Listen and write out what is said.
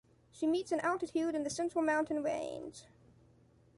She meets in altitude in the Central mountain Range.